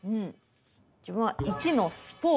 自分は①のスポーツ。